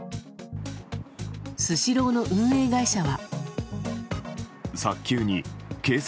スシローの運営会社は。